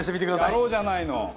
やろうじゃないの！